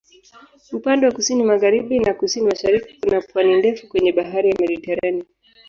Upande wa kusini-magharibi na kusini-mashariki kuna pwani ndefu kwenye Bahari ya Mediteranea.